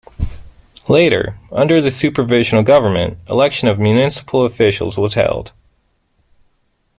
Later, under the supervisonal government, election of municipal officials was held.